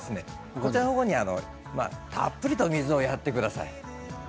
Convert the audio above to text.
こちらにたっぷりと水をやってください。